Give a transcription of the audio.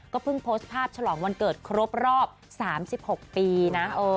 เพิ่งโพสต์ภาพฉลองวันเกิดครบรอบ๓๖ปีนะ